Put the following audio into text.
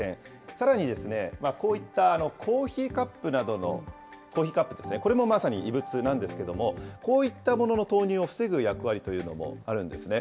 さらに、こういったコーヒーカップなどの、コーヒーカップですね、これもまさに異物なんですけれども、こういったものの投入を防ぐ役割というものもあるんですね。